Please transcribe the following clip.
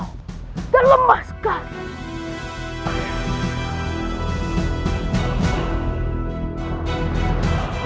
untuk mendapatkan makan